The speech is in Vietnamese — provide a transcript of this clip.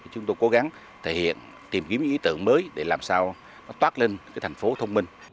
chúng tôi cố gắng thể hiện tìm kiếm những ý tưởng mới để làm sao nó toát lên thành phố thông minh